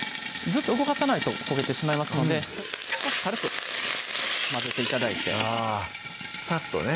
ずっと動かさないと焦げてしまいますので軽く混ぜて頂いてさっとね